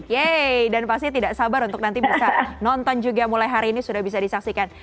yeay dan pasti tidak sabar untuk nanti bisa nonton juga mulai hari ini sudah bisa disaksikan